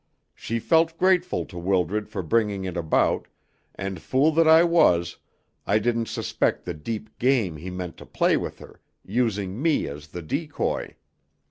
She felt grateful to Wildred for bringing it about, and fool that I was, I didn't suspect the deep game he meant to play with her, using me as the decoy.